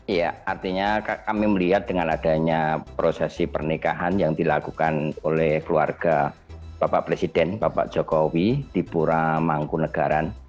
iya artinya kami melihat dengan adanya prosesi pernikahan yang dilakukan oleh keluarga bapak presiden bapak jokowi di pura mangkunegaran